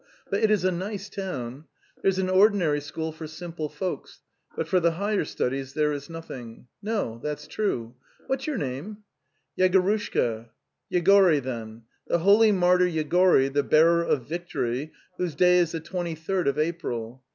i...) But itis a snice town: ... There's an ordinary school for simple folks, but for the higher studies there is nothing. No, that site." Whats your name? .) 4.) "" Yegorushka."' Vegory, ithen,)2. Uhe holy martyr Weaary the Bearer of Victory, whose day is the twenty third of April.